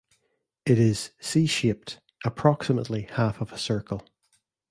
It is "C"-shaped, approximately half of a circle.